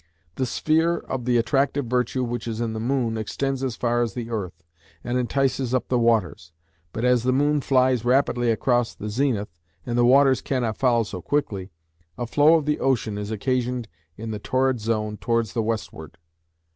The sphere of the attractive virtue which is in the moon extends as far as the earth, and entices up the waters; but as the moon flies rapidly across the zenith, and the waters cannot follow so quickly, a flow of the ocean is occasioned in the torrid zone towards the westward.